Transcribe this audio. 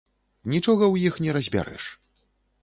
Нічога ў іх не разбярэш.